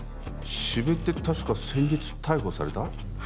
四部って確か先日逮捕された？